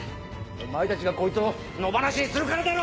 お前たちがこいつを野放しにするからだろ！